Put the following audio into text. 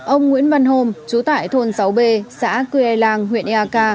ông nguyễn văn hồn chú tải thôn sáu b xã cưê lang huyện ea ca